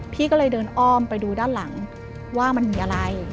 พี่ก็เลยเดินอ้อมไปดูด้านหลังว่ามันมีอะไร